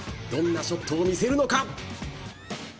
どんなショットを見せるのか。